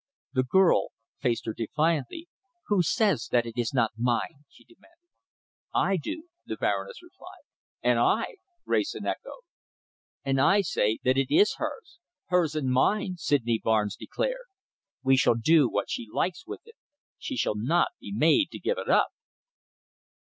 The girl faced her defiantly. "Who says that it is not mine?" she demanded. "I do," the Baroness replied. "And I!" Wrayson echoed. "And I say that it is hers hers and mine," Sydney Barnes declared. "She shall do what she likes with it. She shall not be made to give it up."